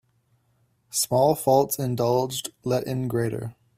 Small faults indulged let in greater.